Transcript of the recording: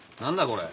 これ。